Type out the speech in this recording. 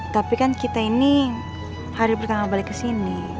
tapi kan kita ini hari pertama balik kesini